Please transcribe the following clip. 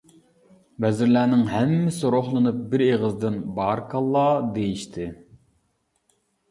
ۋەزىرلەرنىڭ ھەممىسى روھلىنىپ بىر ئېغىزدىن «بارىكاللا» دېيىشتى.